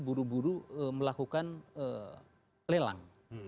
buru buru melakukan lelang